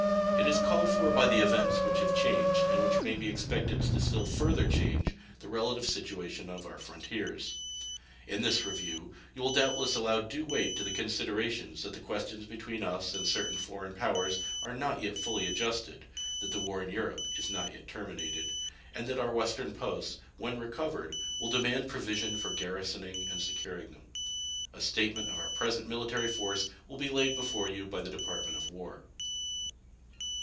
It is called for by the events which have changed, and may be expected still further to change, the relative situation of our frontiers. In this review you will doubtless allow due weight to the considerations that the questions between us and certain foreign powers are not yet finally adjusted, that the war in Europe is not yet terminated, and that our Western posts, when recovered, will demand provision for garrisoning and securing them. A statement of our present military force will be laid before you by the Department of War.